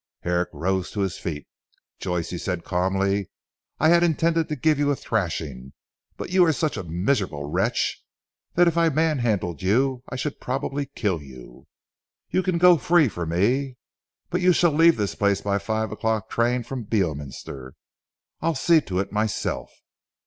Herrick rose to his feet. "Joyce," said he calmly, "I had intended to give you a thrashing; but you are such a miserable wretch that if I man handled you I should probably kill you. You can go free for me. But you shall leave this place by the five o'clock train from Beorminster. I'll see to it myself."